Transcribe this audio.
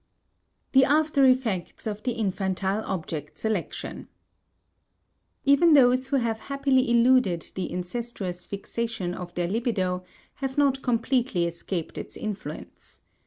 *The After Effects of the Infantile Object Selection.* Even those who have happily eluded the incestuous fixation of their libido have not completely escaped its influence.